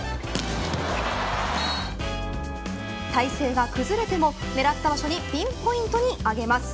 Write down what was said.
体制が崩れても狙った場所にピンポイントに上げます。